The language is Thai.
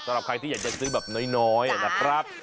สำหรับใครที่อยากจะซื้อแบบน้อยนะครับ